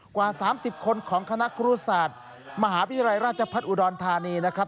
กว่า๓๐คนของคณะครูศาสตร์มหาวิทยาลัยราชพัฒน์อุดรธานีนะครับ